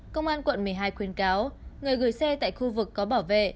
công an quận một mươi hai khuyến cáo người gửi xe tại khu vực có bảo vệ